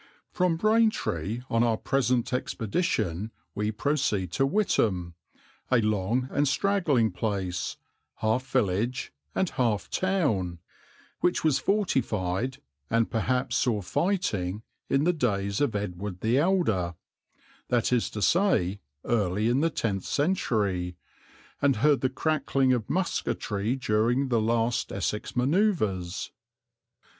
From Braintree on our present expedition we proceed to Witham, a long and straggling place, half village and half town, which was fortified, and perhaps saw fighting, in the days of Edward the Elder, that is to say early in the tenth century, and heard the crackling of musketry during the last Essex manoeuvres.